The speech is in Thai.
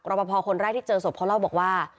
ประพอคนแรกที่เจอศพเขาเล่าบอกว่า